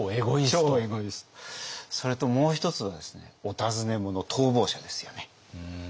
それともう一つはですねお尋ね者逃亡者ですよね。